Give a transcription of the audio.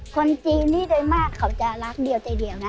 คนจีนนี่โดยมากเขาจะรักเดียวใจเดียวนะ